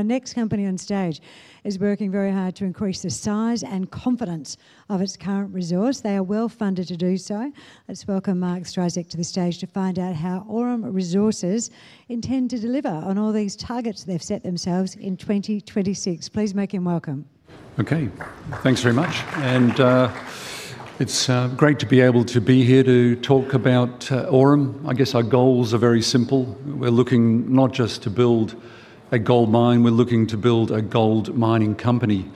Our next company on stage is working very hard to increase the size and confidence of its current resource. They are well-funded to do so. Let's welcome Mark Strizek to the stage to find out how Aurum Resources intend to deliver on all these targets they've set themselves in 2026. Please make him welcome. Okay, thanks very much. And it's great to be able to be here to talk about Aurum. I guess our goals are very simple. We're looking not just to build a gold mine, we're looking to build a gold mining company.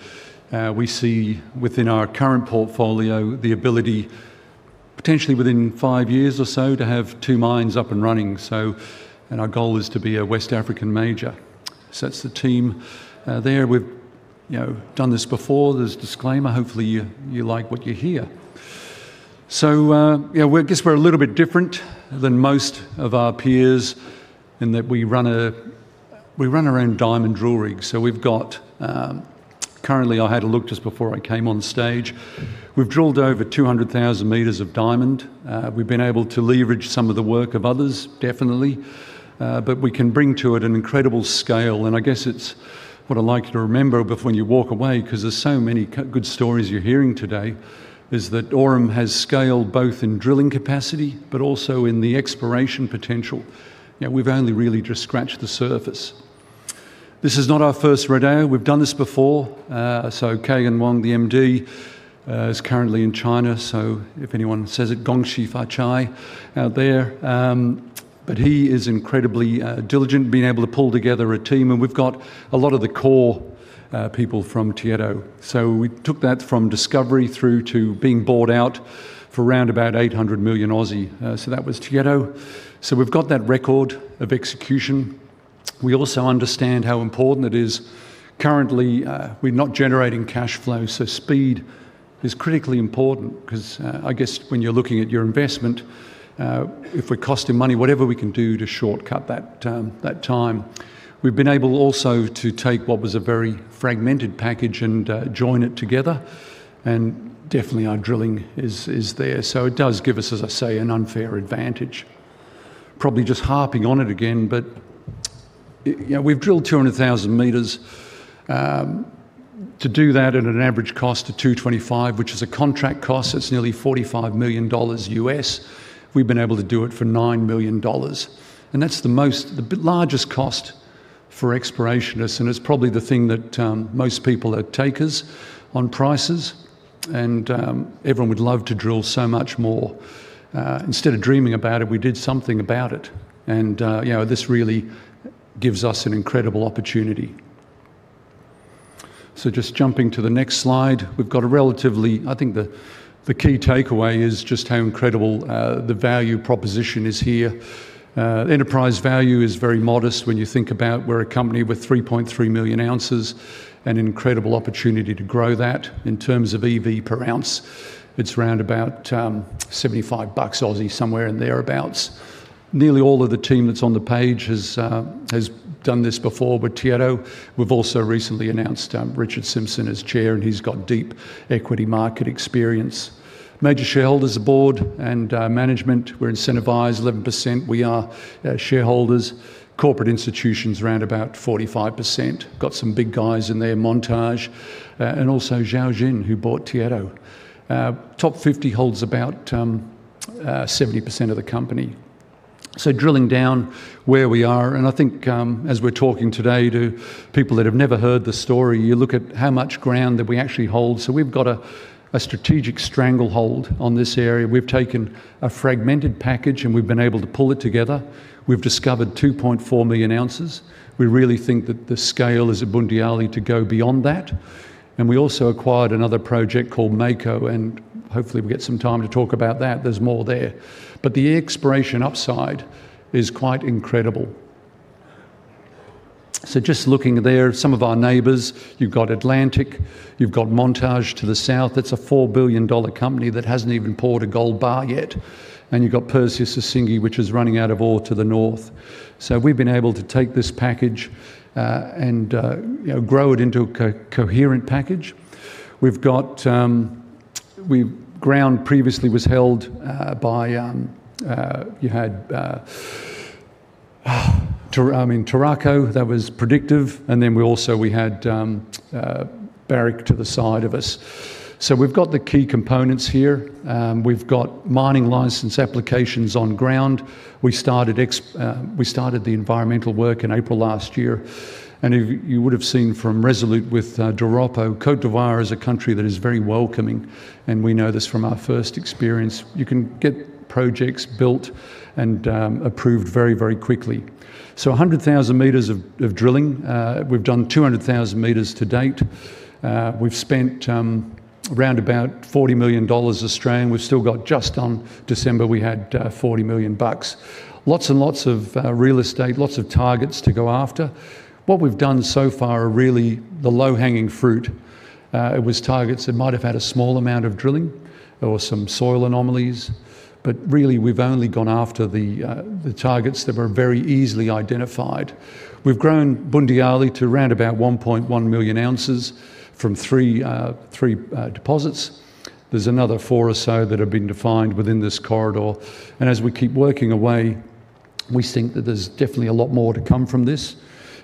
We see within our current portfolio the ability, potentially within five years or so, to have two mines up and running, so. And our goal is to be a West African major. So that's the team there. We've, you know, done this before. There's a disclaimer. Hopefully, you like what you hear. So yeah, we're a little bit different than most of our peers in that we run our own diamond drill rig. So we've got currently, I had a look just before I came on stage, we've drilled over 200,000 meters of diamond. We've been able to leverage some of the work of others, definitely. But we can bring to it an incredible scale, and I guess it's what I'd like you to remember before when you walk away, 'cause there's so many good stories you're hearing today, is that Aurum has scale, both in drilling capacity, but also in the exploration potential. You know, we've only really just scratched the surface. This is not our first rodeo. We've done this before. So Caigen Wang, the MD, is currently in China, so if anyone says it, Gongxi Fa Cai out there. But he is incredibly diligent, being able to pull together a team, and we've got a lot of the core people from Tietto. So we took that from discovery through to being bought out for around about 800 million. So that was Tietto. So we've got that record of execution. We also understand how important it is. Currently, we're not generating cash flow, so speed is critically important, 'cause, I guess when you're looking at your investment, if we're costing money, whatever we can do to shortcut that time. We've been able also to take what was a very fragmented package and join it together, and definitely our drilling is there. So it does give us, as I say, an unfair advantage. Probably just harping on it again, but you know, we've drilled 200,000 meters. To do that at an average cost of 225, which is a contract cost, that's nearly $45 million, we've been able to do it for $9 million, and that's the most, the largest cost for explorationists, and it's probably the thing that most people are takers on prices, and everyone would love to drill so much more. Instead of dreaming about it, we did something about it, and you know, this really gives us an incredible opportunity. So just jumping to the next slide, we've got a relatively, I think the key takeaway is just how incredible the value proposition is here. Enterprise value is very modest when you think about we're a company with 3.3 million ounces, an incredible opportunity to grow that. In terms of EV per ounce, it's around about 75 bucks, somewhere in thereabouts. Nearly all of the team that's on the page has done this before with Tietto. We've also recently announced Richard Simpson as chair, and he's got deep equity market experience. Major shareholders, the board and management, we're incentivized 11%. We are shareholders. Corporate institutions, around 45%. Got some big guys in there, Montage and also Zhaojin, who bought Tietto. Top 50 holds about 70% of the company. So drilling down where we are, and I think, as we're talking today to people that have never heard the story, you look at how much ground that we actually hold. So we've got a strategic stranglehold on this area. We've taken a fragmented package, and we've been able to pull it together. We've discovered 2.4 million ounces. We really think that the scale is at Boundiali to go beyond that, and we also acquired another project called Mako, and hopefully we get some time to talk about that. There's more there. But the exploration upside is quite incredible. So just looking there, some of our neighbors, you've got Atlantic, you've got Montage to the south. That's a $4 billion company that hasn't even poured a gold bar yet, and you've got Perseus Sissingué, which is running out of ore to the north. So we've been able to take this package, and, you know, grow it into a coherent package. We've got. Ground previously was held by you had Tur- I mean, Turaco, that was Predictive, and then we also, we had Barrick to the side of us. So we've got the key components here. We've got mining license applications on ground. We started the environmental work in April last year, and if you would have seen from Resolute with Doropo. Côte d'Ivoire is a country that is very welcoming, and we know this from our first experience. You can get projects built and approved very, very quickly. So 100,000 meters of drilling. We've done 200,000 meters to date. We've spent around about 40 million Australian dollars. We've still got just on December, we had 40 million bucks. Lots and lots of real estate, lots of targets to go after. What we've done so far are really the low-hanging fruit. It was targets that might have had a small amount of drilling or some soil anomalies, but really, we've only gone after the targets that were very easily identified. We've grown Boundiali to around about 1.1 million ounces from three deposits. There's another four or so that have been defined within this corridor, and as we keep working away, we think that there's definitely a lot more to come from this.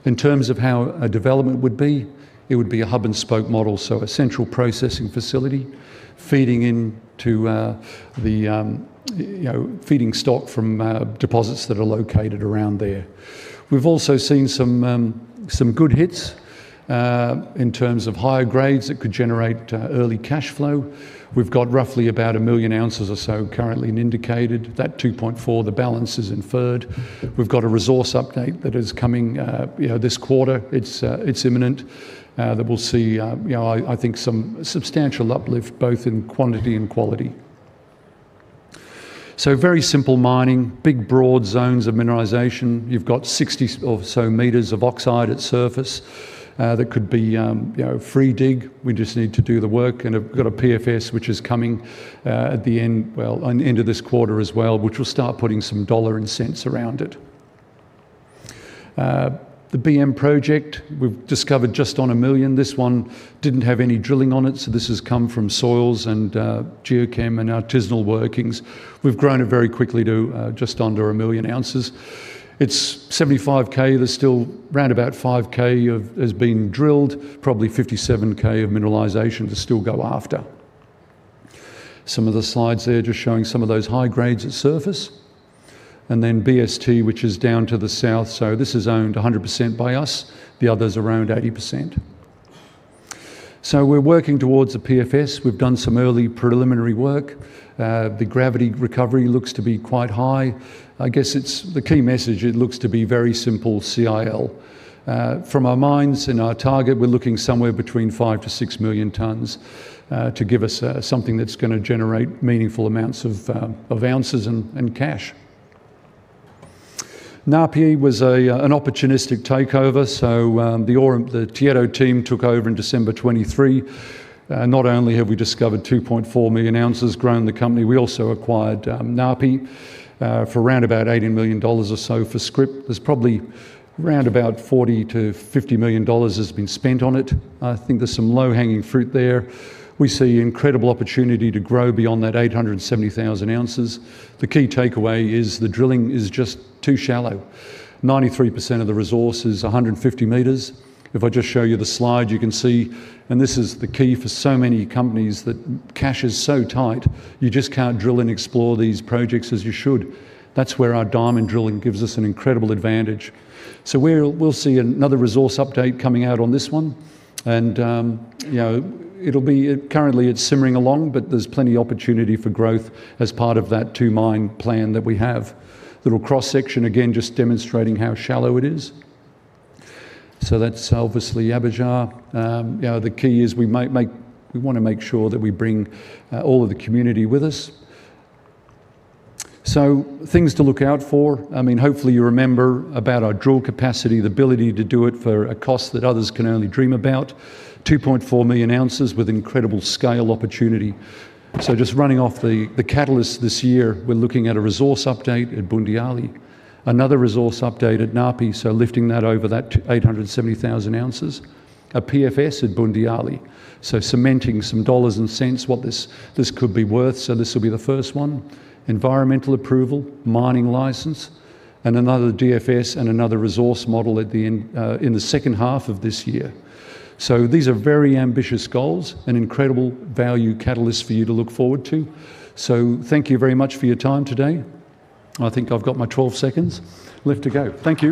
In terms of how a development would be, it would be a hub-and-spoke model, so a central processing facility feeding into the you know feeding stock from deposits that are located around there. We've also seen some good hits in terms of higher grades that could generate early cash flow. We've got roughly about 1 million ounces or so currently in indicated. That 2.4, the balance is inferred. We've got a resource update that is coming, you know, this quarter. It's imminent that we'll see, you know, I think some substantial uplift both in quantity and quality. So very simple mining, big, broad zones of mineralization. You've got 60 or so meters of oxide at surface that could be, you know, free dig. We just need to do the work and have got a PFS, which is coming at the end, well, on the end of this quarter as well, which will start putting some dollar and cents around it. The BM project, we've discovered just on 1 million. This one didn't have any drilling on it, so this has come from soils and geochem and artisanal workings. We've grown it very quickly to just under 1 million ounces. It's 75 k. There's still around about 5 k of has been drilled, probably 57 k of mineralization to still go after. Some of the slides there just showing some of those high grades at surface, and then BST, which is down to the south. So this is owned 100% by us, the other's around 80%. So we're working towards a PFS. We've done some early preliminary work. The gravity recovery looks to be quite high. I guess it's the key message, it looks to be very simple CIL. From our mines and our target, we're looking somewhere between 5 million-6 million tons to give us something that's gonna generate meaningful amounts of ounces and cash. Napié was an opportunistic takeover, so the Tietto team took over in December 2023. Not only have we discovered 2.4 million ounces, grown the company, we also acquired Napié for around about 18 million dollars or so for scrip. There's probably around about 40 million-50 million dollars has been spent on it. I think there's some low-hanging fruit there. We see incredible opportunity to grow beyond that 870,000 ounces. The key takeaway is the drilling is just too shallow. 93% of the resource is 150 meters. If I just show you the slide, you can see, and this is the key for so many companies, that cash is so tight, you just can't drill and explore these projects as you should. That's where our diamond drilling gives us an incredible advantage. So we'll see another resource update coming out on this one, and, you know, it'll be, currently it's simmering along, but there's plenty of opportunity for growth as part of that two-mine plan that we have. A little cross-section, again, just demonstrating how shallow it is. So that's obviously Abujar. You know, the key is we make we wanna make sure that we bring all of the community with us. So things to look out for, I mean, hopefully, you remember about our drill capacity, the ability to do it for a cost that others can only dream about. 2.4 million ounces with incredible scale opportunity. So just running off the, the catalyst this year, we're looking at a resource update at Boundiali, another resource update at Napié, so lifting that over that to 870,000 ounces. A PFS at Boundiali, so cementing some dollars and cents, what this, this could be worth, so this will be the first one. Environmental approval, mining license, and another DFS and another resource model at the end, in the second half of this year. So these are very ambitious goals and incredible value catalysts for you to look forward to. So thank you very much for your time today. I think I've got my 12 seconds left to go. Thank you.